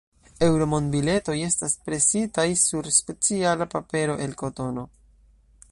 Eŭro-monbiletoj estas presitaj sur speciala papero el kotono.